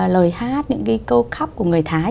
lời hát những cái câu khóc của người thái